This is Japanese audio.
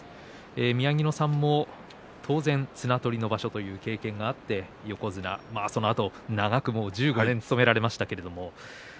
宮城野さんも当然、綱取りの場所というのは経験があって横綱、そのあと長く１５年務められました。